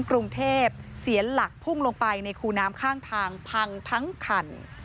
กรุงเทพเสียหลักพุ่งลงไปในคูน้ำข้างทางพังทั้งคัน